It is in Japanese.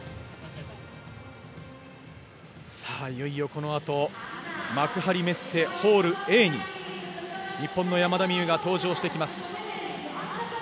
いよいよこのあと幕張メッセホールＡに日本の山田美諭が登場してきます。